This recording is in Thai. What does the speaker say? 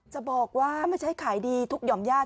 จะบอกว่าไม่ใช่ขายดีทุกหย่อมญาติ